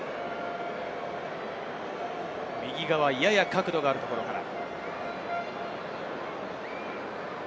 右側、やや角度のあるところから。